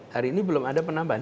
hari ini belum ada penambahan